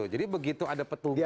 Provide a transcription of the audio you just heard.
jadi begitu ada petugasnya